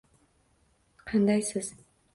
Qandaysiz?